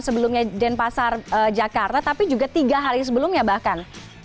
sebelumnya denpasar jakarta tapi juga tiga hari sebelumnya bahkan